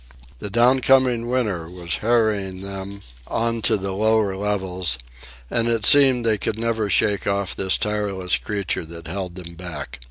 The down coming winter was harrying them on to the lower levels, and it seemed they could never shake off this tireless creature that held them back.